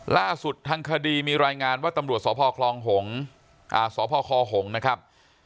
ล่าสุดทางคดีมีรายงานว่าตำรวจสพคลองสพคหงษ์นะครับ